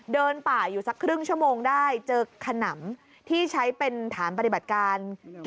เดินป่าอยู่สักครึ่งชั่วโมงได้เจอขนำที่ใช้เป็นฐานปฏิบัติการ